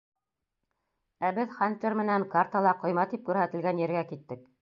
Ә беҙ Хантер менән картала ҡойма тип күрһәтелгән ергә киттек.